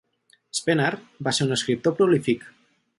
Spener va ser un escriptor prolífic.